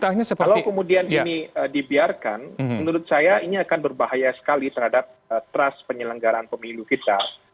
kalau kemudian ini dibiarkan menurut saya ini akan berbahaya sekali terhadap trust penyelenggaraan pemilu kita